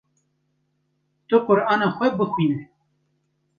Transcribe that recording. Tu Qur’ana xwe bixwîne